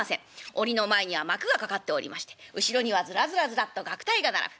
檻の前には幕が掛かっておりまして後ろにはズラズラズラッと楽隊が並ぶ。